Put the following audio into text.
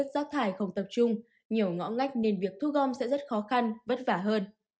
rác thải không tập trung nhiều ngõ ngách nên việc thu gom sẽ rất khó khăn vất vả hơn